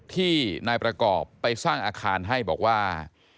ที่นายประกอบไปสร้างอาคารให้บอกว่า